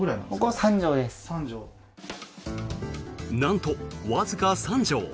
なんとわずか３畳。